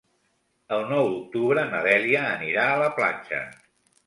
El nou d'octubre na Dèlia anirà a la platja.